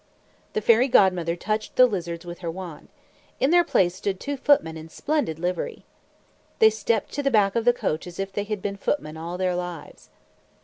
The Fairy Godmother touched the lizards with her wand. In their place stood two footmen in splendid livery. They stepped to the back of the coach as if they had been footmen all their lives.